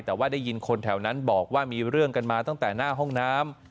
แต่ว่าได้ยินคนแถวนั้นบอกว่ามีเรื่องกันมาตั้งแต่หน้าห้องน้ำ